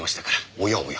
おやおや。